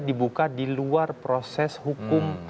dibuka di luar proses hukum